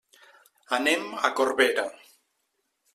Anem a Corbera.